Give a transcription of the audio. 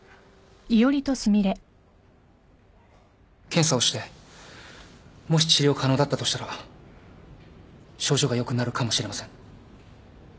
検査をしてもし治療可能だったとしたら症状が良くなるかもしれません。